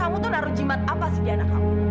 kamu tuh naruh jimat apa sih di anak kamu